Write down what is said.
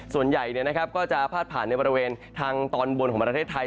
ส่วนใหญ่ก็จะพาดผ่านในบริเวณทางตอนบนของประเทศไทย